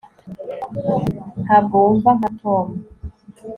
ntabwo wumva nka tom